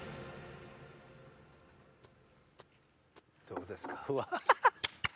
どうですか？